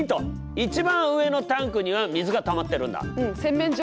一番上のタンクには水が溜まってるんだ。